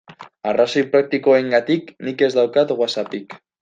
Arrazoi praktikoengatik nik ez daukat WhatsAppik.